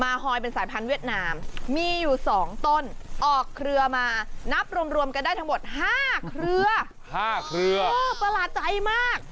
ฮอยเป็นสายพันธุเวียดนามมีอยู่๒ต้นออกเครือมานับรวมรวมกันได้ทั้งหมด๕เครือ๕เครือประหลาดใจมาก